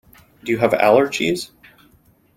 Do you have allergies?